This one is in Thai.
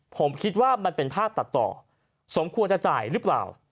ผมคิดว่ามันเป็นภาพตัดต่อสมควรจะจ่ายหรือเปล่า